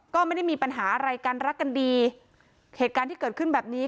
ก็ไม่ได้มีปัญหาอะไรกันรักกันดีเหตุการณ์ที่เกิดขึ้นแบบนี้